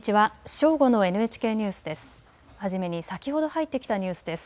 正午のＮＨＫニュースです。